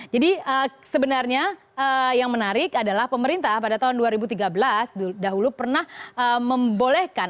jadi sebenarnya yang menarik adalah pemerintah pada tahun dua ribu tiga belas dahulu pernah membolehkan